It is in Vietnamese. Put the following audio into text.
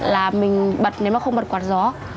là mình bật nếu mà không bật quạt gió